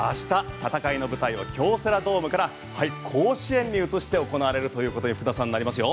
戦いの舞台は京セラドームから甲子園に移して行われるということになりますよ。